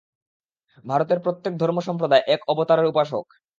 ভারতের প্রত্যেক ধর্ম-সম্প্রদায় এক এক অবতারের উপাসক।